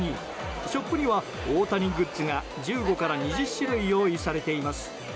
ショップには大谷グッズが１５から２０種類用意されています。